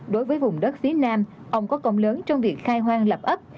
đối với vùng đất phía nam ông có công lớn trong việc khai hoang lập ấp